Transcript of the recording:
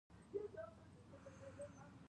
واوره د غنمو لپاره ګټه لري.